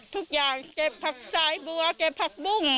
ทุกอย่างเก็บผักสายบัวเก็บผักบุ้ง